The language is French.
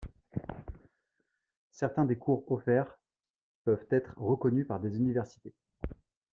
Certains des cours offerts peuvent être reconnus par des universités.